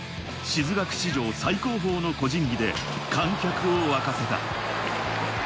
静学史上最高峰の個人技で観客を沸かせた。